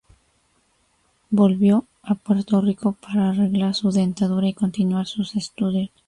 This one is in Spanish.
Volvió a Puerto Rico para arreglar su dentadura y continuar sus estudios.